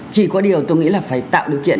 chỉ có điều tôi nghĩ là phải tạo điều kiện